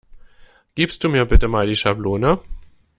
Gibst du mir bitte Mal die Schablone?